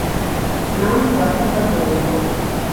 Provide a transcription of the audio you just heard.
Нам дваццаць гадоў ужо.